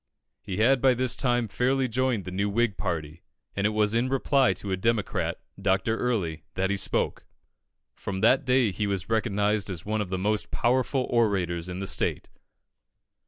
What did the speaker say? He had by this time fairly joined the new Whig party, and it was in reply to a Democrat, Dr. Early, that he spoke. From that day he was recognised as one of the most powerful orators in the state.